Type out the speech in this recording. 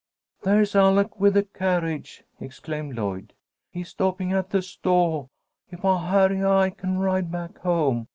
"There's Alec with the carriage!" exclaimed Lloyd. "He's stopping at the stoah. If I hurry, I can ride back home.